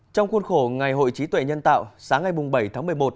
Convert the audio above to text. trong khuôn khổ ngày hội trí tuệ nhân tạo sáng ngày bảy tháng một mươi một